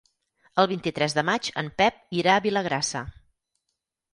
El vint-i-tres de maig en Pep irà a Vilagrassa.